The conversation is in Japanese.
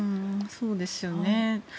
そうですよね。